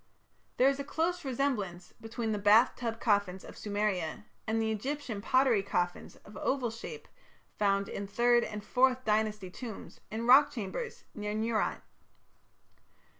There is a close resemblance between the "bath tub" coffins of Sumeria and the Egyptian pottery coffins of oval shape found in Third and Fourth Dynasty tombs in rock chambers near Nuerat.